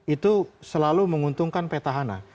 itu selalu menguntungkan peta hana